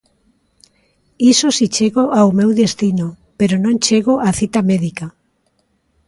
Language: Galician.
Iso si chego ao meu destino, pero non chego á cita médica.